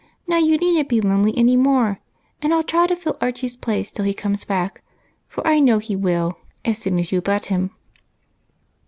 Now, you need n't be lonely any more, and I '11 try to fill Archie's place till he comes back, for I know he will, as soon as you let him."